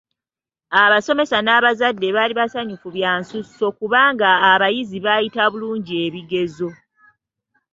Abasomesa n'abazadde baali basanyufu bya nsusso kubanga abayizi baayita bulungi ebigezo.